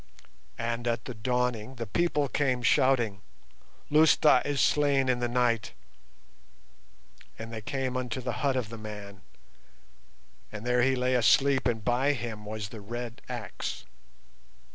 "And at the dawning the people came shouting, 'Lousta is slain in the night,' and they came unto the hut of the man, and there he lay asleep and by him was the red axe.